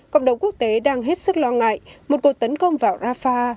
cộng đồng quốc tế đang hết sức lo ngại một cuộc tấn công vào rafah